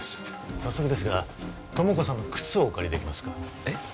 早速ですが友果さんの靴をお借りできますかえっ？